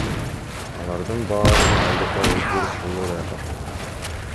Алардын баарын айылдыктар өздөрү колдо даярдашат.